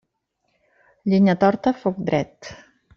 Llenya torta, foc dret.